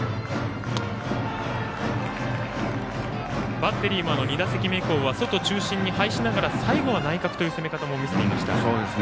バッテリーも２打席以降は外中心に配しながら最後は内角という攻め方も見せていました。